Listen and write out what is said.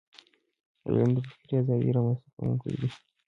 علم د فکري ازادی رامنځته کونکی دی.